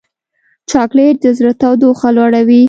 چاکلېټ د زړه تودوخه لوړوي.